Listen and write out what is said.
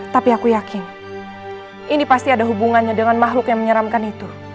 tapi aku yakin ini pasti ada hubungannya dengan makhluk yang menyeramkan itu